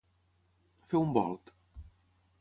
Fer un volt.